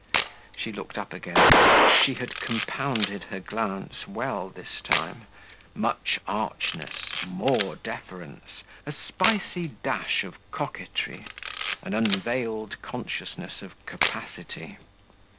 She looked up again; she had compounded her glance well this time much archness, more deference, a spicy dash of coquetry, an unveiled consciousness of capacity.